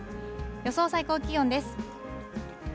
予想最高気温です。